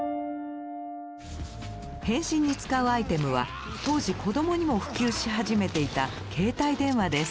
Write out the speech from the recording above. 変身に使うアイテムは当時子どもにも普及し始めていた携帯電話です。